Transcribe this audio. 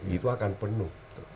itu akan penuh